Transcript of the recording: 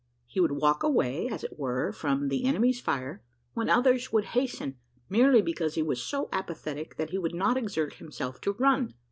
He would walk away, as it were, from the enemy's fire, when others would hasten, merely because he was so apathetic that he would not exert himself to run.